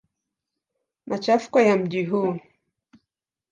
Machafuko ya mji huu.